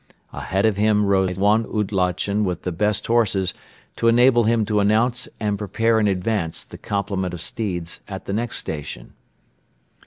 Ahead of him rode one oulatchen with the best horses to enable him to announce and prepare in advance the complement of steeds at the next station.